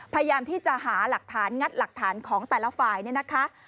พยายามที่จะหาหลักฐานงัดหลักฐานของแต่ละฝ่ายเนี่ยนะคะ